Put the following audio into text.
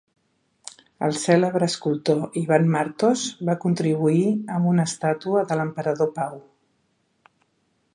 El cèlebre escultor Ivan Martos va contribuir amb una estàtua de l'Emperador Pau.